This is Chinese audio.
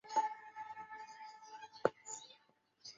此说认为栾氏乃炎帝的后代。